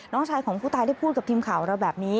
น้องชายของผู้ตายได้พูดกับทีมข่าวเราแบบนี้